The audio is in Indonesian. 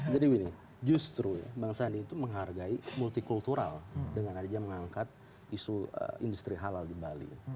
jadi justru bang sani itu menghargai multikultural dengan adanya mengangkat isu industri halal di bali